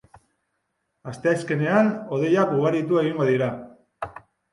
Asteazkenean, hodeiak ugaritu egingo dira.